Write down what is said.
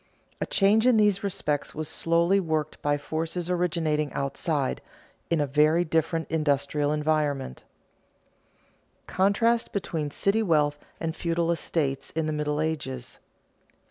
A change in these respects was slowly worked by forces originating outside, in a very different industrial environment. [Sidenote: Contrast between city wealth and feudal estates in the Middle Ages] 4.